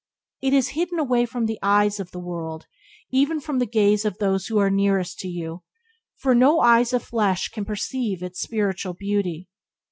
It is hidden away from the eyes of all the world, nay, even from the gaze of those who are nearest to you, for no eyes of flesh can perceive its spiritual beauty.